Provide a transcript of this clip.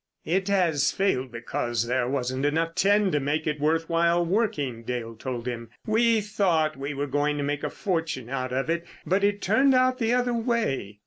"It has failed because there wasn't enough tin to make it worth while working," Dale told him. "We thought we were going to make a fortune out of it, but it turned out the other way."